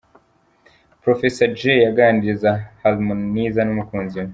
Professor Jay aganiriza Harmoniza n'umukunzi we.